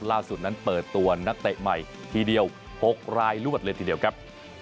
ล่าสุดนั้นเปิดตัวนักเตะใหม่ทีเดียว๖รายลวดเลยทีเดียวครับ